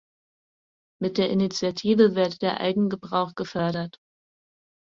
Mit der Initiative werde der Eigengebrauch gefördert.